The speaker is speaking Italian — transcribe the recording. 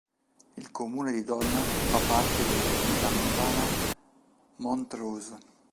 Il comune di Donnas fa parte della Comunità Montana Mont Rose.